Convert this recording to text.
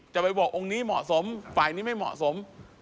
จะไปบอกองค์นี้เหมาะสมฝ่ายนี้ไม่เหมาะสม